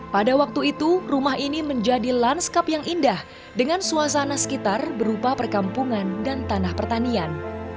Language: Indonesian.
pada waktu itu rumah ini menjadi lanskap yang indah dengan suasana sekitar berupa perkampungan dan tanah pertanian